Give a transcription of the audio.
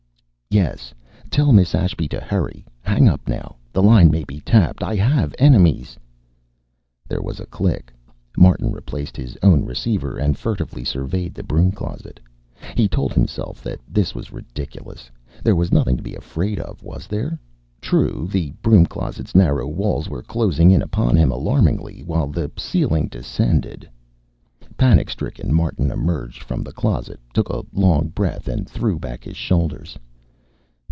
"Yes. Tell Miss Ashby to hurry. Hang up now. The line may be tapped. I have enemies." There was a click. Martin replaced his own receiver and furtively surveyed the broom closet. He told himself that this was ridiculous. There was nothing to be afraid of, was there? True, the broom closet's narrow walls were closing in upon him alarmingly, while the ceiling descended.... Panic stricken, Martin emerged from the closet, took a long breath, and threw back his shoulders.